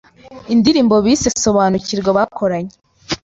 indirimbo bise Nsobanukirwa bakoranye